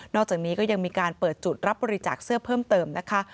อกจากนี้ก็ยังมีการเปิดจุดรับบริจาคเสื้อเพิ่มเติมนะคะ